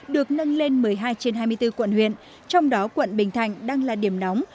được nâng lên một mươi hai trên hai mươi bốn quận huyện trong đó quận bình thạnh đang là điểm nóng